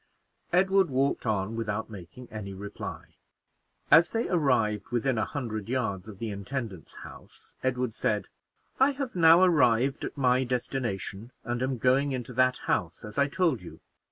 Edward walked on without making any reply. As they arrived within a hundred yards of the intendant's house Edward said "I have now arrived at my destination, and am going into that house, as I told you.